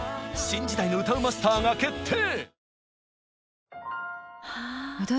新時代の歌うまスターが決定！